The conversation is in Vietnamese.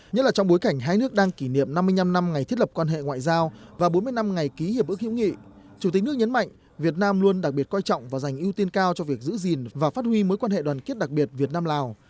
nhất là trong bối cảnh hai nước đang kỷ niệm năm mươi năm năm ngày thiết lập quan hệ ngoại giao và bốn mươi năm ngày ký hiệp ước hữu nghị chủ tịch nước nhấn mạnh việt nam luôn đặc biệt coi trọng và dành ưu tiên cao cho việc giữ gìn và phát huy mối quan hệ đoàn kết đặc biệt việt nam lào